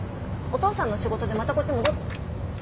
お父さんの仕事でまたこっち戻っ。